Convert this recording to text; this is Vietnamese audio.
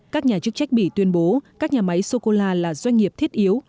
các nhà chức trách bỉ tuyên bố các nhà máy sô cô la là doanh nghiệp thiết yếu